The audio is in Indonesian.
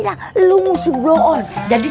saya sudah terlalu sedih